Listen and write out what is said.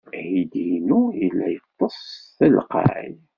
Aydi-inu yella yeḍḍes s telqey.